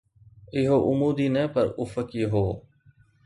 اهو عمودي نه پر افقي هو